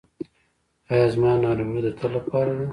ایا زما ناروغي د تل لپاره ده؟